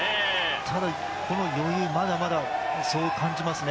ただ、この余裕まだまだ感じますね